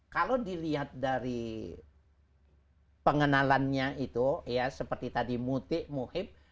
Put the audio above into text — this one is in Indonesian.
kalau dilihat dari pengenalannya itu ya seperti tadi mutik muhib